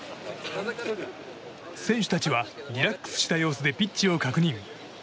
選手たちはリラックスした様子でピッチを確認。